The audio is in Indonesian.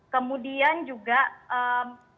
kemudian juga yang bermaksudnya